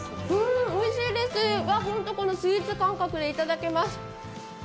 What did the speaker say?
おいしいです、スイーツ感覚でいただけます。